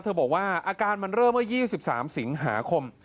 บอกว่าอาการมันเริ่มเมื่อ๒๓สิงหาคม